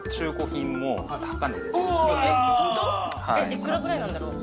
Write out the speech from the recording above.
いくらぐらいなんだろう？